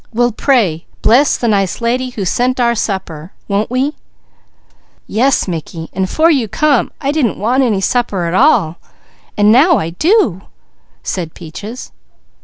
We'll pray, 'Bless the nice lady who sent our supper,' won't we?" "Yes Mickey, and 'fore you came I didn't want any supper at all, and now I do," said Peaches.